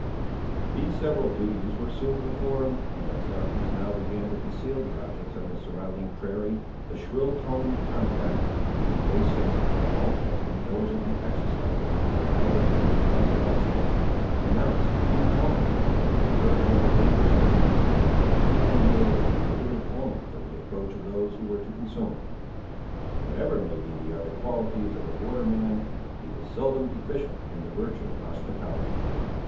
These several duties were soon performed, and, as darkness now began to conceal the objects on the surrounding prairie, the shrill toned termagant, whose voice since the halt had been diligently exercised among her idle and drowsy offspring, announced, in tones that might have been heard at a dangerous distance, that the evening meal waited only for the approach of those who were to consume it. Whatever may be the other qualities of a border man, he is seldom deficient in the virtue of hospitality.